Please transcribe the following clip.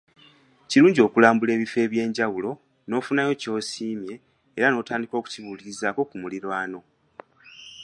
Kirungi okulambula ebifo ebiwerako n’ofunayo ky’osiimye era n’otandika okukibuulirizaako ku muliraano.